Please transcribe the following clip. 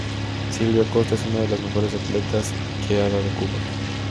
Silvia Costa es una de las mejores atletas que ha dado Cuba.